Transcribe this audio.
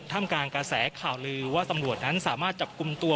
มกลางกระแสข่าวลือว่าตำรวจนั้นสามารถจับกลุ่มตัว